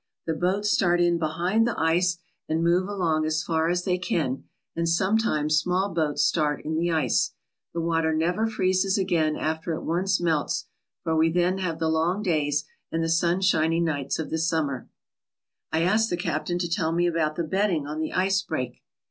The boats start in behind the ice and move along as fast as they can, and sometimes small boats start in the ice. The water never freezes again after it once melts, for we then have the long days and the sunshiny nights of the summer." I asked the captain to tell me about the betting on the ice break.